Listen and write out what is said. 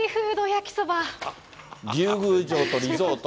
龍宮城とリゾート。